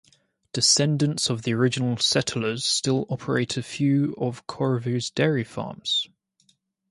Descendants of the original settlers still operate a few of Korovou's dairy farms.